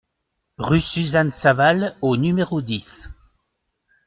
Rue Suzanne Savale au numéro dix